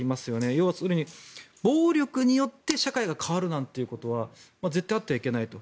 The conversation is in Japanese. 要するに暴力によって社会が変わるなんてことは絶対にあってはいけないと。